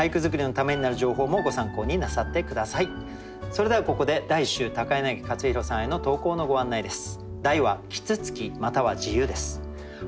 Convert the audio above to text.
それではここで第１週柳克弘さんへの投稿のご案内です。